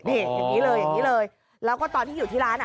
นี่อย่างนี้เลยอย่างนี้เลยแล้วก็ตอนที่อยู่ที่ร้านอ่ะ